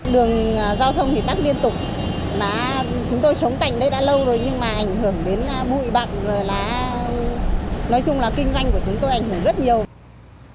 đường giao thông thì tắc liên tục chúng tôi sống cạnh đây đã lâu rồi nhưng mà ảnh hưởng đến bụi bặn rồi là nói chung là kinh doanh của chúng tôi ảnh hưởng rất nhiều